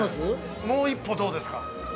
もう一歩、どうですか。